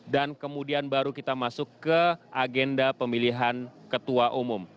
dan kemudian baru kita masuk ke agenda pemilihan ketua umum